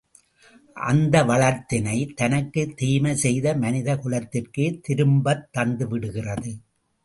அந்த வளத்தினைத் தனக்குத் தீமை செய்த மனித குலத்திற்கே திரும்பத் தந்து விடுகிறது.